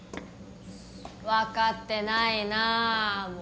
分かってないなもう。